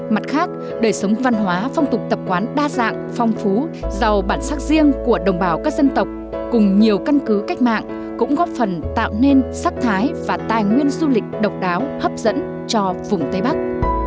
mặt khác đời sống văn hóa phong tục tập quán đa dạng phong phú giàu bản sắc riêng của đồng bào các dân tộc cùng nhiều căn cứ cách mạng cũng góp phần tạo nên sắc thái và tài nguyên du lịch độc đáo hấp dẫn cho vùng tây bắc